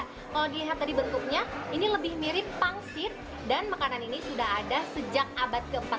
kalau dilihat tadi bentuknya ini lebih mirip pangsit dan makanan ini sudah ada sejak abad ke empat